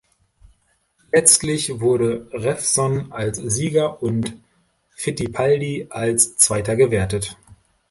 Letztlich wurde Revson als Sieger und Fittipaldi als Zweiter gewertet.